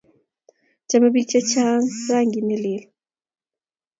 chamei biik che chang' rangit ne lel